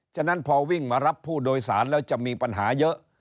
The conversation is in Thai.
ฉะนั้นพอวิ่งมารับผู้โดยสารแล้วจะมีปัญหาเยอะ